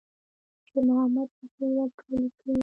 شېرمحمد پښې ور ټولې کړې.